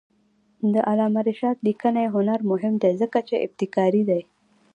د علامه رشاد لیکنی هنر مهم دی ځکه چې ابتکاري دی.